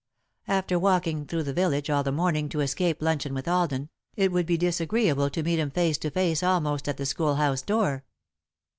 After walking through the village all the morning to escape luncheon with Alden, it would be disagreeable to meet him face to face almost at the schoolhouse door.